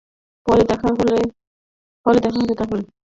পরে দেখা হবে তাহলে।